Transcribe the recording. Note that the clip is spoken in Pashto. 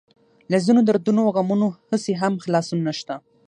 له ځينو دردونو او غمونو هسې هم خلاصون نشته.